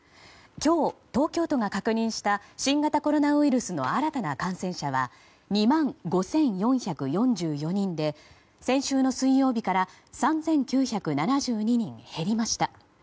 今日、東京都が確認した新型コロナウイルスの新たな感染者は２万５４４４人で先週の水曜日から３９７２人減りました。